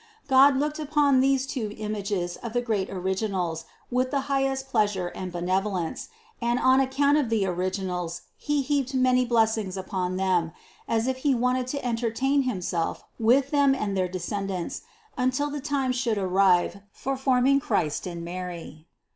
God looked upon these two images of the great Originals with the highest pleasure and benevolence, and on ac count of the Originals He heaped many blessings upon them, as if He wanted to entertain Himself with them and their descendants until the time should arrive for forming Christ and Mary.